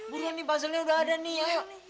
buruan nih puzzlenya udah ada nih ayo